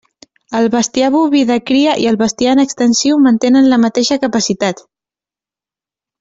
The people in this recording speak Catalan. El bestiar boví de cria i el bestiar en extensiu mantenen la mateixa capacitat.